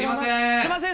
・すいません！